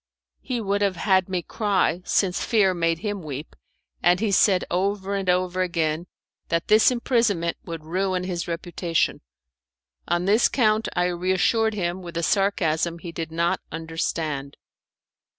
He would have had me cry, since fear made him weep, and he said over and over again that this imprisonment would ruin his reputation. On this count I reassured him with a sarcasm he did not understand.